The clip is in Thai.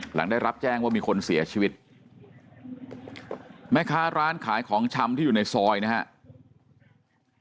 หลังได้รับแจ้งว่ามีคนเสียชีวิตแม่ค้าร้านขายของชำที่อยู่ในซอยนะครับ